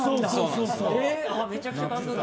めちゃくちゃ感動的。